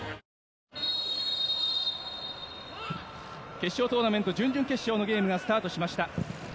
決勝トーナメント準々決勝のゲームがスタートしました。